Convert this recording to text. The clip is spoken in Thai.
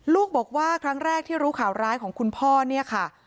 บอกว่าครั้งแรกที่รู้ข่าวร้ายของคุณพ่อเนี่ยค่ะ